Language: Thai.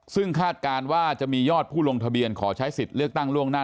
ซึ่งคาดการณ์ว่าจะมียอดผู้ลงทะเบียนขอใช้สิทธิ์เลือกตั้งล่วงหน้า